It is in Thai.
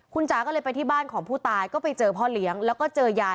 คุณจ๋าก็เลยไปที่บ้านของผู้ตายก็ไปเจอพ่อเลี้ยงแล้วก็เจอยาย